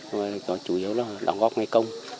nhưng mà chủ yếu là đóng góp ngày công